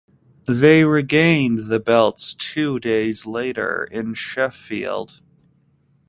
They regained the belts two days later in Sheffield.